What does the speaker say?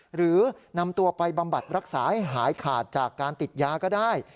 หรือนำตัวไปบำบัดรักษาให้หายขาดจากการติดยาก็ได้